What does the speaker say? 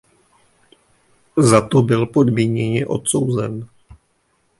Za to byl podmíněně odsouzen.